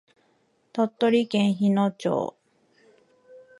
鳥取県日野町